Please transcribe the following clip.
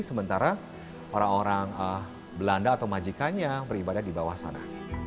sementara orang orang belanda atau majikannya beribadah di bawah sana